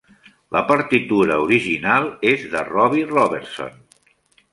La partitura original és de Robbie Robertson.